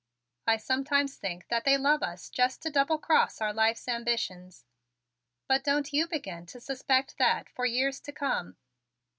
"I sometimes think that they love us just to double cross our life's ambitions, but don't you begin to suspect that for years to come."